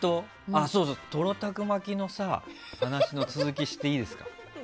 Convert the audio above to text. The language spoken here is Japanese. トロたく巻きの話の続きしていいですか。